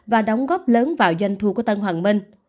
và đóng góp lớn vào doanh thu của tân hoàng minh